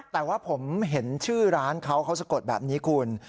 แต่ว่าผมเห็นชื่อร้านเขาเขาสะกดแบบนี้คุณ